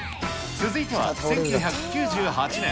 続いては１９９８年。